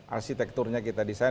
arsitekturnya kita desain